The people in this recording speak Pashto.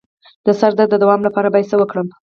د سر درد د دوام لپاره باید څه وکړم؟